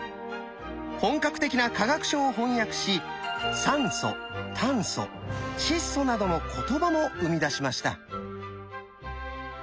本格的な化学書を翻訳しなどの言葉も生み出しました。